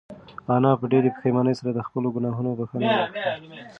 انا په ډېرې پښېمانۍ سره د خپلو گناهونو بښنه وغوښته.